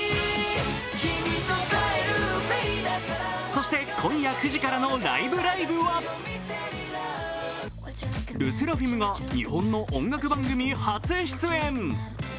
そして、今夜９時からの「ライブ！ライブ！」はＬＥＳＳＥＲＦＩＭが日本の音楽番組初出演。